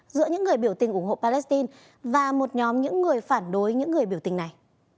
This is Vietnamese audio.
giữa những người biểu tình ủng hộ palestine và một nhóm những người phản đối những người biểu tình này